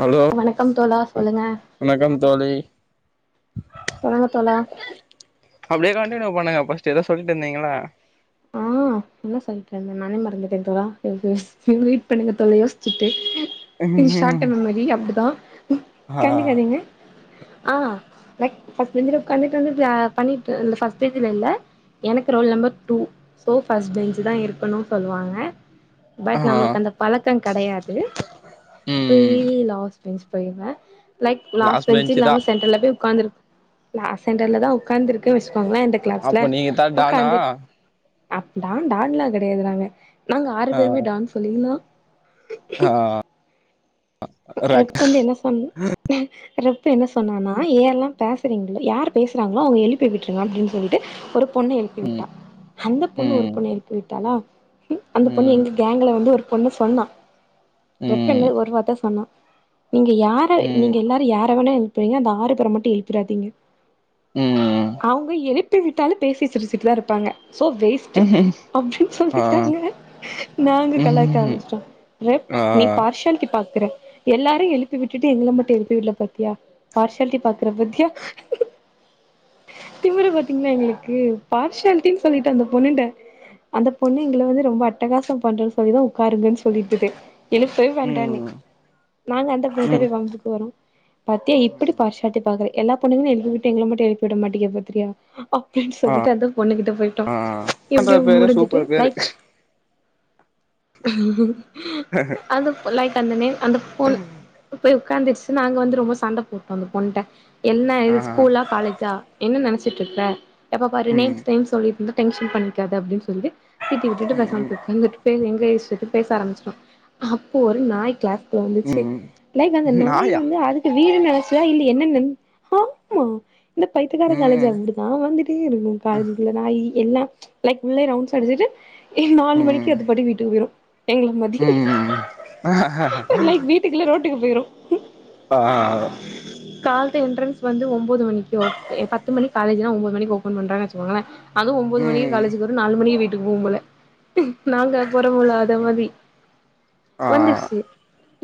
hello வணக்கம் தோழா சொல்லுங்க வணக்கம் தோழி சொல்லுங்க தோழா [unintelligible] பண்ணுங்க பஸ்ட்டு எதோ சொல்லிட்டு இந்தீங்கல்ல ஆ என்ன சொல்ட்ருந்த நானே மறந்துட்டே தோழா [unintelligible] வெயிட் பண்ணுங்க தோழா யோஸ்ச்சுட்டு இது ஷாட் டெம் மெமரி அப்டிதா ஆ கண்டுகாதீங்க ஆ லைக் ஃபர்ஸ்ட் பெஞ்சில உக்காந்துட்ருந்து இப்ப யா பண்ணிட் இந்த ஃபர்ஸ்ட் பெஞ்சில இல்ல எனக்கு roll number two so first பெஞ்சுதா இருக்கணு சொல்லுவாங்க பட் நம்மளுக்கு ஆ அந்த பழக்கங் கெடையாது ம் ஃபுல்லி லாஸ் பெஞ்ச் போயிருவே லைக் லாஸ்ட் பெஞ்ச் பெஞ்சு தா இல்லாம சென்ட்ரல போய் உக்காந்திருப் நா சென்டர்லதா உக்காந்துருக்க வஸ்கோங்ளே இந்த கிளாஸ்ல அப்ப நீங்க தா டானா உக்காந்துட் அப்டான் டான்லா கெடையாது நாங்க நாங்க ஆறு பேருமே டான் சொல்லீங்ளா ஹா ரெப் வந்து என்ன சொன் ரெப்பு என்ன சொன்னானா ஏ எல்லாம் பேசுறீங்ளோ யாரு பேசறாங்ளோ அவுங்க எழுப்பி விட்ருங்க அப்டின் சொல்லிட்டு ஒரு பொண்ணு எழுப்பி ம் விட்டா அந்த பொண்ணு ஒரு ம் பொண்ண எழுப்பி விட்டாலா அந்த பொண்ணு ம் எங்க கேங்க்ல வந்து ஒரு பொண்ணு சொன்னா ரெட் ம் பெண்ணு ஒரு வார்த்தா சொன்னா நீங்க யார ம் நீங்க எல்லாரு யார வேணா எழுப்பிங்க அந்த ஆறு பேர மட்டு எழுப்பிராதீங்க ம் அவங்க எழுப்பி விட்டாலு பேசி சிரிச்சுட்டுதா இருப்பாங்க சோ வேஸ்ட் அப்படி ஆ சொல்லிட்டாங்க நாங்க கலாய்க்க ம் ஆரம்மிச்சிட்டோ ரெப் ஆ நீ பார்ஷாலிட்டி பார் க்கிறே எல்லாரையு எழுப்பி விட்டுட்டு எங்கள மட்டு எழுப்பி விடல பத்தியா பார்ஷ்யாலிட்டி பாக்குற பத்தியா திமுரு பாத்தீங்களா எங்களுக்கு பார்ஷாலிட்டினு சொல்லிட்டு அந்த பொண்ணுட அந்த பொண்ணு எங்கள வந்து ரொம்ப அட்டகாசோ பண்ற சொல்லிதா உக்காருங்கனு சொல்லிட்டுதே எனக்கு சொய வேண்டானே ம் இல்ல அந்த ம் பிள்ளடவே வம்புக்கு வரு பாத்தியா இப்டி பார்ஷ்யாலிட்டி பா க்குற எல்லா பொண்ணுங்களு எழுப்பிவிட்டு எங்கள மட்டு எழுப்பி விட மாட்டீகுற பத்திரியா அப் டினு ஆ சொல்லிட்டு அந்த பொண்ணுகிட்ட போயிட்டோ ஆ அந்த இப்டி பேரு முடிஞ்சுட்டு சூப்பர் பேரு லைக் அந்த புள் லைக் அந்த நே அந்த பொண் போய் உக்காந்துடுச்சு நாங்க வந்து ரொம்ப சண்ட போட்டோ அந்த பொண்ட்ட என்ன ஆ இது ஸ்கூலா காலேஜா என்னனு நெனச்சிட்ருப்ப எப்ப பாரு ம் நேம்ஸ் டேம்ஸ் சொல்லிட்ருந்த டென்ஷன் பண்ணிக்காத அப்டினு சொல்லி திட்டி விட்டுட்டு பெசாம ம் போய் உக்காந்துட்டு பேசி எங்க யேசிட்டு பேச ஆரம்பிச்சிடோ அப்போ ஒரு நாய் கிளாஸ் ல வந்துச்சு ம் லைக் அந்த நாய் நாயா வந்து அதுக்கு வீடுனு நென ச்சா இல்ல என்னனு நென ஆமா இந்த பைத்தயகார காலேஜ் ம் அப்டிதா வந்துட்டே இருக்கு காலேஜு குள்ள நாயி எல்லா லைக் உள்ளயே ரவுண்ட்ஸ் அடிச்சிட்டு நாலு மணிக்கு அது பாட்டுக்கு வீட்டுக்கு போயிரு எங்கள மதி ம் ம் ம் அஹ அஹா அ லைக் வீட்டுக்கு இல்ல ரோட்டுக்கு போயிரு ஆ கால் து என்ட்ரன்ஸ் வந்து ஒம்போது மணிக்கு ஓ பத்து மணிகு காலேஜ்னா ஒம்போது மணிக்கு ஓபன் பண்றாங்கனு வச்சுகோங்களே அது ஒம்போது மணிக்கு ம் காலேஜுக்கு வரு நாலு மணிக்கு வீட் எப்பவுபோல நாங்க போறோமுள்ள அதே மாரி ஆ வந்துச்சி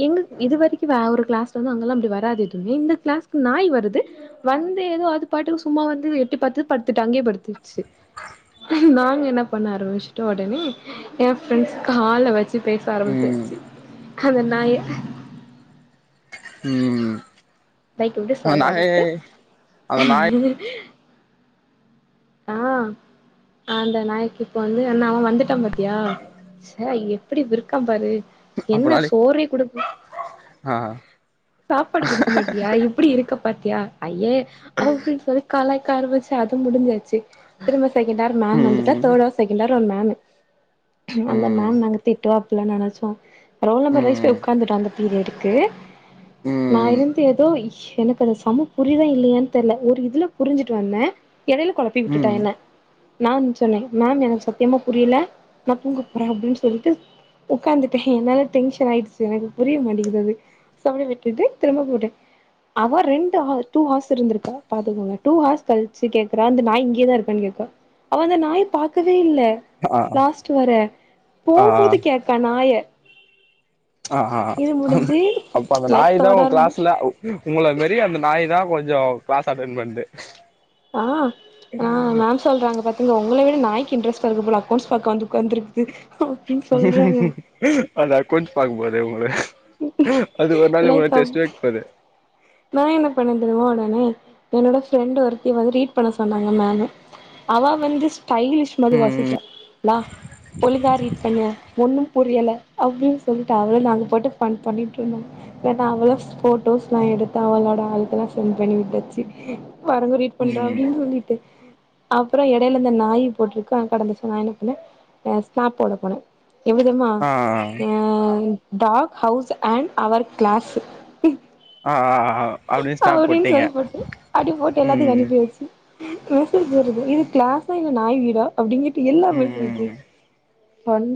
எங்க இது வரைக்கு வேற ஒரு கிளாஸ்ல அங்கெல்லா அப்டி வராது தீமீ இந்த கிளாஸ்கு நாய் வருது வந் து ஏதோ அது பாட்டுகு சும்மா வந்து எட்டி பாத்து படுத்துட்டு அங்கேயே படுத்து சு நாங்க என்னா பண்ண ஆரம்பிச்சுட்டோ ஒடனே ஏ ஃபிரண்ஸ் கால வச் சு பேச ம் ஆரம்பிச்சுசு அந்த நாய ம் லைக் எப்டி அந்த நாயே சொல்றதுக்கு அந்த நாய் ஆ அந்த நாய்க்கி இப்ப வந்து அண்ணா அவ வந்துட்டா பாத்தியா அ எப்டி விற்கா பாரு என்ன அப்பனாலே சோ ஆ சாப்பாடு குடுக்க மாட்டியா இப்டி இருக்க பாத்தியா ஐயே அப்டினு சொல்லி கலாய்க ஆரம்பிச்சா அது முடிஞ்சா திரும்ப செகண்டார் மேம் வந்துட்டா ம் தேர்டு அர் செகண்ட அர் ஒரு மேமு அந்த ம் மேம் மேங்க திட்வாப் புல்ல நெனச்சோ ரோல் நம்பர் வைஸ் பே ம் உக்காந்துட்டோ அந்த பீரியடுக்கு நா ம் இருந்து எதோ எனக்கு அத சம்மு புரியிதா இல்லியான் தெர்ல ஒரு இத் துல புரிஞ்சிட் வந்தே எடைல பி விட்டுட்டா ம் என்ன நான் சொன்னே மேம் எனக் சத்யமா புரிய்ல நா தூங்கு பொற அப்டின் சொல்லிட்டு உக்காந்துட்டே என்னால டெங்ஷென் ஆயிட்சு எனகு புரியு மாட்டேங்கிது அது சவுழி விட்டுட்டு திரும்ப போட்டே அவ ரெண்டு ஹார் டூ ஹாஸ் இருந்திருக்கா பாத்துகோங்க டூ ஹாஸ் கல்ச்சு கேக்றா இந்த நாய் இங்கேதா இருப்பன் கேக்வா அவ அந்த நாய பாக்கவே இல் ல ஆ லாஸ்ட் வர ஆ போவும்போது கேக்கா நாய ஆ ஹா இது ஆ முடிஞ்சு அப்ப அத லைக் நாயி தா தேர்ட் ஒ ஆர் க்ளாஸ்ல உங்குள மேரி அந்த நாய் தா கொஞ்சொ க்ளாஸ் அட்டென் பண்து ஆ ஆ மேம் சொல்றாங்க பாத்தீங்க ஒங்ள விட நாய்க் இன்ரெஸ்டாருக்கு போல அக்கோண்ஸ் பாக்க வந்து உக்காந்ருக்து அது அக்கோண்ஸ் பாக்க போதே உங்ள அது ஒரு நாள் உங்ள லைக் அவ் டெஸ்ட் வெக் போது நா என்ன பண்ணேன் தெரிமாஒடனே என்னோட ஃப்ரெண்ட் ஒருத்திய வந்து ரீட் பண்ண சொன்னாங்க மேமு அவா வந்து ஸ்டைலிஷ் மதி ம் வாசிச்சா லா ஒலுங்கா ரீட் பண்ணு ஒண்ணும் பொர்யல்ல அப்டின் சொல்லிட் அவளு அங்கு போட்டு பண் பண்ணிட்ருந்தோ வேண்ணா அவளு ஃபோட்டோஸ்லா எடுத் தவள்ளோட ஆல்க்கல்லா சென் பண்ணி விட்டுச்சு பாருங்க ரீட் பண்றா ம் அப்டின் சொல்லிட்டு அப்றோ எடைல இந்த நாயி போட்ருக்கா கடந்துச்சு நா என்ன பண்ண ஸ்னாப் போட போனே எவ்விதம்மா ஆ ஆ டாக் ஹவுஸ் அண் அவர் க்ளாஸு ஆ ஆ ஆ அப்டின் அவ்டின் சொல்லி போட்டு அடி போட் எல்லாத்துக் ம் அனுப்பி வெச்சு மெசேஜ் வருது இது க்ளாஸ் இன்ன நாய் வீடா அப்டிங்கிட்டு எல்லா மில் [unintelligible]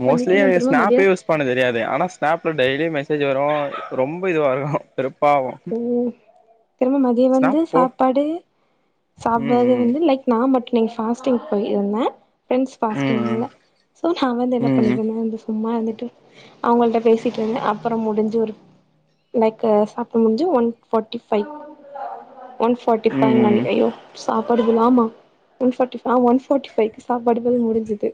மோஸ்லி எனகு ஸ்னேபே யூஸ் பண்ண தெரியாது ஆனா ஸ்னேப்ல டெய்லி மெசேஜ் வர் ரொம்ப இதுவா இருக்கு தெருப்பாவு திரும மதிய வந்து சாப்பாடு சாப்டாது ம் வந்து லைக் நா மட்டு நீங் ஃபாஸ்டிங் போய் இருந்தன் ஃபிரெண்ஸ் ஃபாஸ்டிங் ம் இல்ல சோ நா வந்து என்ன ம் பண்ணிட்ருந்தேந்து இந்து சும்மா எந்து அவுங்கள்ட்ட பேசிக் இருந்தே அப்பறொ முடுஞ்சு ஒரு லைக்கு சாப் இப்ப முஞ்சு one forty five one forty five ம் நனைக் அய்யோ சாப்பாடுகுள் ஆமா ஒன் ஃபாட்டிஃப் ஆ ஒன் ஃபாட்டி ஃபைக்கு சாப்பாடுகள் முடுஞ்சுது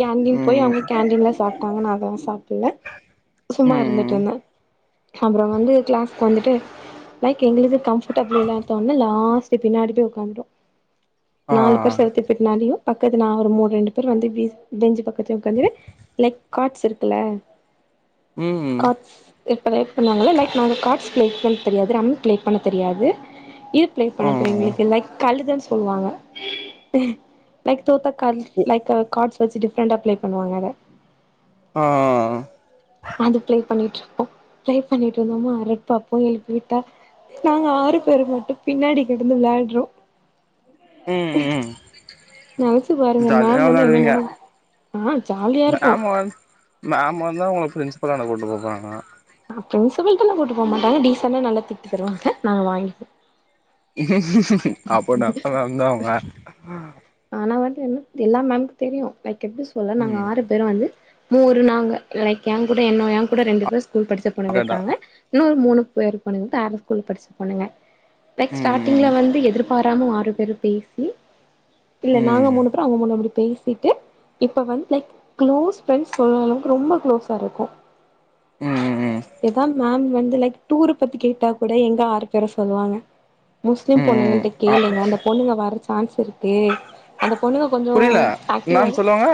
கேண்டீன் போய் ம் ம் அவுங்க கேண்டீன்ல சாப்ட்டாங்க நா அதலா சாப்புல்ல சும்மா ம் இருந்துட்ருந்த அப்றோ வந்து க்ளாஸ் கோந்துட்டு லைக் எங்ளுக்து கம்ஃபுட்டபுள் இல்லான்த்தோன்ல லாஸ்டு பின்னாடி பே உக்காந்ட்டோ ஆ நாலு பேர் செல்த்தி பிட் நாலியு பக்கத்து நா ஒரு மூ ரெண்டு பேர் வந்து பீஸ் பெஞ்சு பக்கத்லே உக்காந்திரு லைக் காட்ஸ் இருக்குல்ல ம் காட்ஸ் இப்ப ரேக் பண்ணாங்கள லைக் நாங்க காட்ஸ் க்ளேக் பண் தெரியாது ரம்மி க்ளேக் பண்ண தெரியாது இது ப்ளே ஆ பண்ண தெரியு எங்ளுக்கு லைக் கலுதன்ஸ் சொல்லுவாங்க லைக் தோத்தக்கால் லைக் அ காட்ஸ் வச்சி டிஃப்ரண்டா ப்ளே பண்ணுவாங்க அத ஆ அது ப்ளே பண்ணிட்டு ப்ளே பண்ணிட் இருந்தோமா ரெட் பா போயி எழுப்பி விட்டா நாங்க ஆறு பேர் மொட்டு பின்னாடி கெடுந்து விளாட்றோ ம் ம் நெலச்சு பாருங்க ஜாலியா மேம் வந்து வெளாடுவீங்க என்னனெனங் [unintelligible] மேம் வந்தா ஒங்ள ஃப்ரின்ஸ்பலான கூட்டு போப்போறாங்க பிரின்சிபல்ட்டலா கூட்டு போவ் மாட்டாங்க டீசன்டா நல்ல திட்டி தருவாங்க நாங்க வாங்கிப்போ அப்போ நப்த மேம் தா அவுங்க ஆனா வந்து என்ன எல்லா மேம்க் தெரியு லைக் எப்டி சொல்ல நாங்க ம் ஆறு பேரு வந்து மூரு நாங்க லைக் எ கூட என்னோ ஏ கூட ரெண்டு பேர் ஸ்கூல் படிச்ச பொண்ணுங்க கேட்டா இருக்காங்க இன்னொரு மூணு பேரு பொண்ணுங்க வேற ஸ்கூல படிச்ச பொண்ணுங்க லைக் ம் ஸ்டாடிங்ள ம் வந்து எதிர்ப் வராம ஆறு பேரு பேசி இல்ல நாங்க ம் மூணு பேரு அவுங்க மூணு அப்டி பேசிட்டு இப்ப வந்த் லைக் க்ளோஸ் ஃப்ரெண்ட்ஸ் சொல்ற அளவுக்கு ரொம்ப குளோஸா இருக்கோ ம் ம் எதா மேம் வந் து லைக் டூரு பத்தி கேட்டா கூட எங்க ஆறு பேர சொல்வாங்க முஸ்லிம் ம் ம் பொண்ணுங்கள்ட்ட ஆ கேளுங்க அந்த பொண்ணுங்க வர சான்ஸ் இருக்கு அந்த பொண்ணுங்க கொஞ்சோ புரியல என்னான்னு ஆக்டிவாவே சொல்லுவாங்க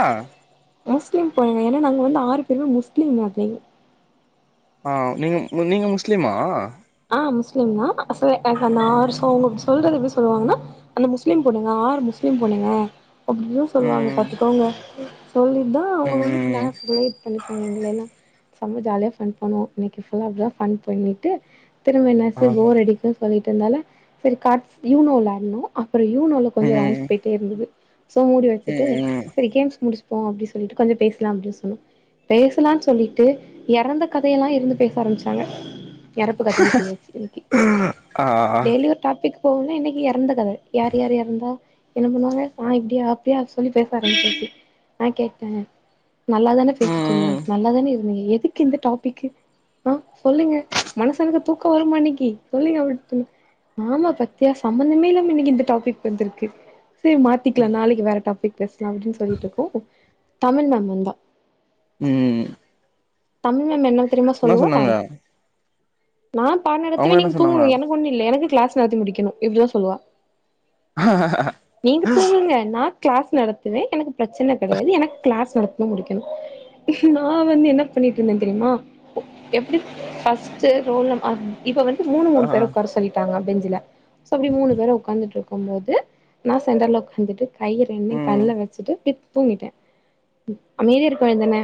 ப்ச் முஸ்லிம் பொண்ணுங்க ஏனா நாங்க வந்து ஆறு பேருமே முஸ்லீம் மாதிரி ஆ நீங்க மு நீங்க முஸ்லீமா ஆ முஸ்லிம்தா [unintelligible] சொல்றது எப்டி சொல்வாங்கனா அந்த முஸ்லீம் பொண்ணுங்க ஆறு முஸ் லீம் பொண்ணுங்க அப்டீனு சொல்வாங்க ம் பாத்துக்கோங்க சொல்லிட்தா அவுங்க ம் வந்து ம் க்ளாஸ் [unintelligible] பண்ணிர்ப்பாங்க எங்களயெல்லா செம ஜாலியா ஃபன் பண்ணுவோ இன்னைக்கு ஃபுல்லா அப்டிதா ஃபன் பண்ணிட்டு திரும்ப என்னாச்சு ஆ போர் அடிக்கு சொல்லிட் இருந்தால செரி காட்ஸ் யூனோ வெளாட்னோ அப்றோ யூனோல கொஞ்சோ ரவுண்ஸ் ம் பேய்ட்டே இருந்தது சோ மூடி வச்சிட்டு ம் செரி கேம்ஸ் முடிச்சுப்போ அப்டி சொல்லிட்டு கொஞ்சோ பேசலா அப்டின் சொல் பேஸ்லான் சொல்லிட்டு எறந்த கதையெல்லா இருந்து பேச ஆரம்மிச்சாங்க இப்போ கதையே பேயாச்சு இன்க்கி ஆ டெய்லி ஒரு டாபிக் இப்போனே இன்னைக்கி எறந்த கத யார் யார் இறந்தா என்ன பண்ணுவாங்க ஆ இப்டியா அப்டியா சொல்லி பேச ஆரம்பிச்சாச்சி ஆ கேட்ட நல்லாதான பேசிட்ருந்தீங்க ம் நல்லாதான இருந்தீங்க எதுக்கு இந்த டாபிக்கு ஆ சொல்லுங்க மனுசனுக்கு தூக்கோ வருமா இன்னிக்கி சொல்லுங்க ஒரு து ஆமா பாத்தியா சம்மந்தமே இல்லாம இன்னைக்கு இந்த டாபிக் வந்துருக்கு செர் மாத்திக்லா நாளைக்கு வேற டாபிக் பேஸ்லா அப்டின் சொல்லிட்ருக்கோ தமிழ் மேம் வந்தா ம் தமிழ் மேம் என்ன தெரியுமா என்ன சொல்லுவோ சொன்னாங்க ஆம் நா பாட நடத்துவே அவங்க என்ன நீங்க சொன்னாங்க தூங்குங்க எனக்கு ஒண்ணு இல்ல எனக்கு கிளாஸ் நடத்தி முடிக்கனு இப்டிதா சொல்லுவா நீங்க தூங்குங்க நா கிளாஸ் நடத்துவே எனக்கு பிரச்சன கெடையாது எனக்கு கிளாஸ் நடத்தி முடிக்கனு நா வந்து என்ன பண்ணிட்டுருந்தே தெரியுமா எப்டி ஃபஸ்ட் ரோல் நம் ஆ இப்ப வந்து மூணு மூணு ஆ பேர உக்கார சொல்லிட்டாங்க மேம் பெஞ்சில சோ அப்டி மூணு பேர் ஒக்காந்துட்டுருக்கு போது நா சென்டர்ல ஒக்காந்துட்டு கய்ய ரெண்டையு ம் கண்ல வச்சிட்டு த் தூங்கிட்டே அமைதியா இருக்க வேனு தான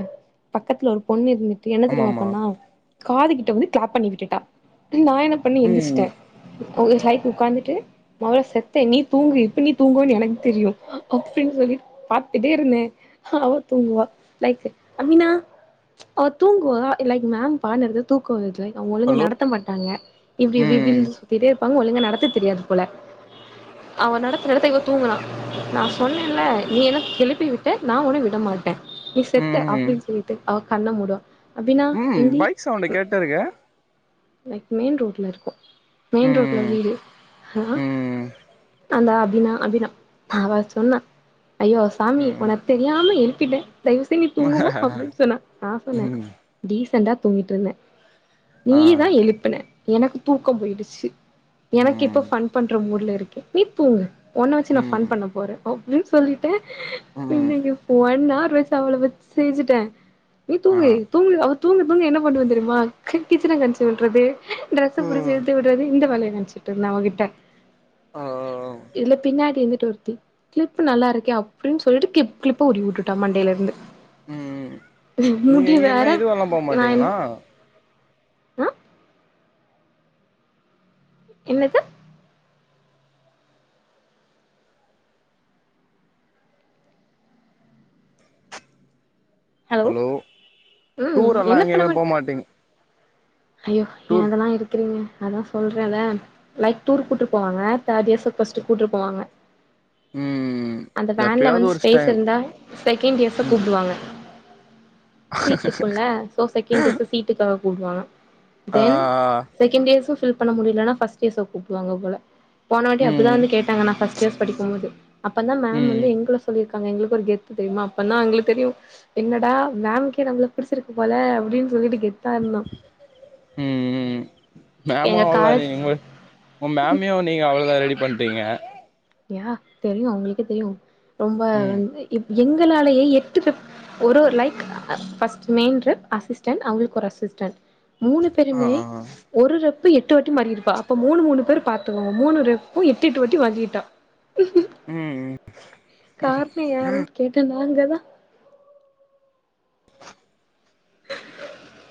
பக்கத்துல ஒரு பொண்ணு இருந்துட் டு என்ன ஆமா தெரியுமா ஆமா பண்ணா காது கிட்ட வந்து கிளாப் பண்ணி விட்டுட்டா ச்சுலி நா என்ன பண்ணி ம் எந்திர்ஸ்ட்டே அவுங்க சாய்க்கு உக்காந்துட்டு மவுள செத்த நீ தூங்கு இப்ப நீ தூங்குவன் எனக்கு தெரியு அ அப்பின் சொல்லிட் பாத்துக்ட்டே இருந்தே அவ தூங்குவா லைக் அமினா அவ தூங்குவா லைக் மேம் பாட நடத்துறது தூக்கோ வருது லைக் அவுங்க ஒழுங்க ஹலோ நடத்த மாட்டாங்க இப்டி இப்டி ம் இப்டின் சுத்திட்டே இருப்பாங்க ஒழுங்கா நடத்த தெரியாது போல அவ நடத்த நடத்த இவ தூங்குனா நா சொன்னேன்ல நீ எனக் எழுப்பி விட்ட நா ஒன்ன விட மாட்டே நீ செத்த ம் அப்டின் சொல்லிட்டு அவ கண்ண மூடுவா அப்டினா ம் இந்தி பைக் சவுண்ட ம் கேட்டருக்க லைக் மெயின் ரோட்ல இருக்கோ மெயின் ரோட்ல ம் வீடு ஹ ஆ ம் அந்தா அபினா அபினா அவ சொன்னா ஐயோ சாமி ம் ம் உன தெரியாம எழுப்பிட்டே தயவுசென் நீ தூங்குமா அப்டின் சொன்னா நா சொன்னே டீசன்டா தூங்கிட்ருந்தே ஆ நீதா எழுப்புன எனக்கு தூக்கோ போயிடுச்சு எனக்கு இப்ப ம் ஃபன் பண்ற மூட்ல இருக்கே நீ தூங்கு ஒன்ன வச்சி நா ஃபன் ம் பண்ண போறே ஒ அப்டின்னு சொல்லிட்டே ம் இன்னைக்கி ஒன்னாறு வெச்சி அவள வெச்சு செஞ்சிட்டே நீ ஆ தூங்கு தூங்கு அவ தூங்க தூங்க என்ன பண்ணுவ தெரியுமா கிச் கிச்சன [unintelligible] விட்றது ட்ரெஸ்ஸ புடிச்ச ம் இழுத்து விடுறது இந்த வேலைய நெனச்சிட்டு இருந்தா அவகிட்ட ஆ [unintelligible] இதுல பின்னாடி இருந்துட்டு ஒருத்தி கிளிப்பு நல்லா இருக்கே அப்டின்னு சொல்ட்டு கிளிப் கிளிப்ப உருவிவுட்டுட்டா மண்டையிலெருந்து ம் ம் நீங்க எங்கியுமே இதுவால்லா போ நா என் மாட்டீங்ளா ஆ என்னது ஹலோ ம் டூர் அல்லா என்ன பண்ண எங்கியுமே மாட் போமாட்டீங் ஐயோ ஏ அதெல்லா இருக்குறீங்க அதா சொல்றேன்ல லைக் டூர் கூட்ரு போவாங்க தேர்ட் இயர்ஸ்ஸு ஃபஸ்ட்டு கூட்ரு போவாங்க ம் அந்த வேன்ல எப்பயாவது வந்து ஒரு ஸ்பேஸ் டைம் இருந்தா செகண்ட் இயர்ஸ்ஸ ம் கூப்டுவாங்க சீட் இருக்குல்ல சோ செகண்ட இயர்ஸ்ஸா சீட்டுக்காக கூப்டுவாங்க ஆ தென் செகண்ட் இயர்ஸ்ஸ பில் பண்ண முடியலனா ஃபஸ்ட் இயேர்ஸ்ஸ கூப்டுவாங்க போல போனவாட்டி அப்டிதா ம் வந்து கேட்டங்க நா ஃபஸ்ட் இயர்ஸ் படிக்கு போது அப்பதா மேம் வந்து ம் எங்கள சொல்லிருக் கங்க எங்களுக்கு ஒரு கெத்து தெரியுமா அப்பன்தா எங்குளுக்கு தெரியு என்னடா மேம் கே நம்ள புடிச்சிருக்கு போல அப்டின் சொல்லிட்டு கெத்தா இருந்தோ ம் ம் ம் எங்க மேமும் காலேஜ் [unintelligible] உங்க மேமையு நீங்க அவ்ளோதா ரெடி பண்டிங்க யா தெரியு அவுங்களுக்கே தெரியு ரொம்ப ம் வந்து இப் எங்களாலேயே எட்டு [inaudible] ஒரு ஒரு லைக் அ ஃபர்ஸ்ட்டு மெயின்ரு அசிஸ்டென்ட் அவுங்குளுக்கொரு அசிஸ் டன்ட் மூணு ஆ பேருமே ஆ ஒரு ரப் [inaudible] எட்டு வட்டி மாறிருப்பா அப்ப மூணு மூணு பேர் பாத்துக்கோங்க மூணு ரெப்பு எட்டு எட்டு வாட்டி வாங்கிட்டா ம் ம் கார்ணொ யாருன்னு கேட்டா நாங்கதா